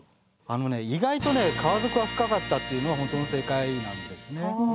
あのね意外とね川底が深かったっていうのが本当の正解なんですね。